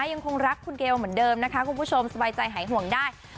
ยังคงรักคุณเกลเหมือนเดิมนะคะคุณผู้ชมสบายใจหายห่วงได้